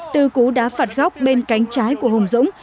từ cú đá phạt góc bên cánh trái của hùng dũng